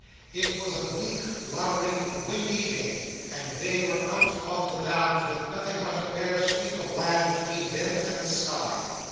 It was a bleak, lowering, windy day, and they were out upon the Downs with nothing but a bare sweep of land between them and the sky.